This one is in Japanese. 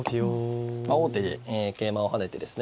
まあ王手で桂馬を跳ねてですね